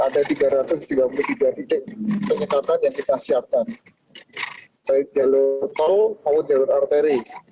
jadi ada tiga ratus tiga puluh tiga titik penyekatan yang kita siapkan dari jalur tol ke jalur arteri